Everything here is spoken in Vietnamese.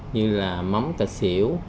như là mắm cà xỉu